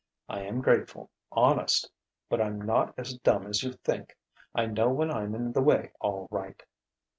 I am grateful honest' but I'm not as dumb as you think: I know when I'm in the way, all right!"